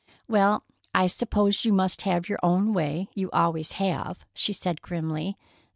"Well, I suppose you must have your own way. You always have," she said grimly.